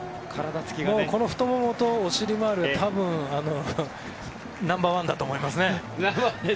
この太ももとお尻周りはナンバー１だと思います。